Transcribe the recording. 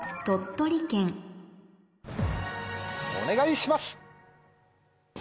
お願いします！